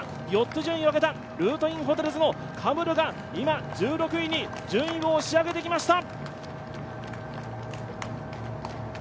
４つ順位を上げたルートインホテルズのカムルが１６位に順位を押し上げてきました。